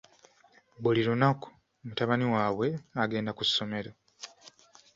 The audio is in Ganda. Buli lunaku, mutabani waabwe agenda ku ssomero.